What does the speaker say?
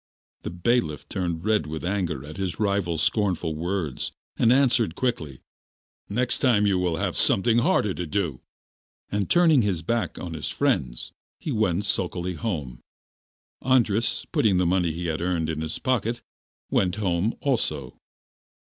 The bailiff turned red with anger at his rival's scornful words, and answered quickly: 'Next time you will have something harder to do.' And turning his back on his friends, he went sulkily home. Andras, putting the money he had earned in his pocket, went home also.